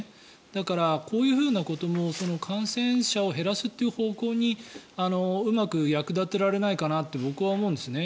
だから、こういうふうなことも感染者を減らすという方向にうまく役立てられないかなと僕は思うんですね。